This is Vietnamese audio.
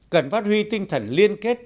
cần phát huy tinh thần liên kết